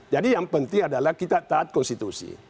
jadi yang penting adalah kita taat konstitusi